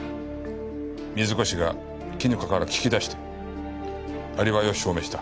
水越が絹香から聞き出してアリバイを証明した。